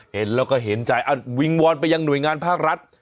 เห็นแล้วก็เห็นใจวิงวอนไปยังหน่วยงานภาครัฐ